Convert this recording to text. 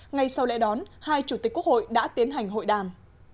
ngay sau lễ đón hai chủ tịch quốc hội đã tiến hành hội đàm